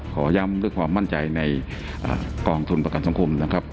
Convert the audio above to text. ขอย้ำด้วยความมั่นใจในกองทุนประกันสังคมนะครับ